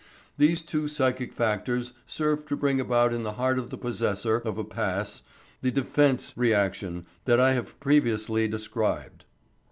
These two psychic factors serve to bring about in the heart of the possessor of a pass the defence reaction that I have previously described.